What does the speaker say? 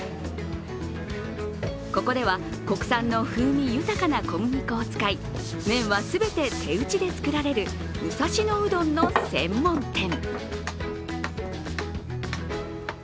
ここでは国産の風味豊かな小麦粉を使い麺は全て手打ちで作られる武蔵野うどんの専門店。